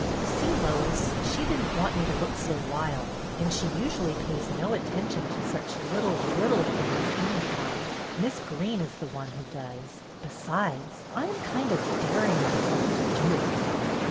You see, Lois, she did n't want me to look so wild, and she usually pays no attention to such little. Utile things, anyhow. Miss Greene is the one who does. Besides, I am kind of daring myself to do it."